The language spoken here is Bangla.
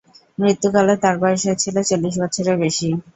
মৃত্যুকালে তার বয়স হয়েছিল চল্লিশ বছরের বেশি।